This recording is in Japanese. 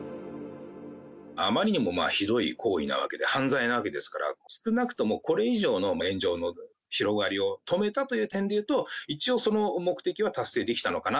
あまりにもひどい行為なわけで、犯罪なわけですから、少なくともこれ以上の炎上の広がりを止めたという点でいうと、一応その目的は達成できたのかな。